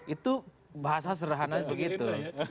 itu bahasa sederhana begitu